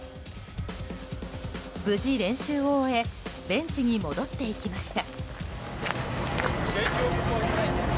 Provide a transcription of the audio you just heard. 無事練習を終えベンチに戻っていきました。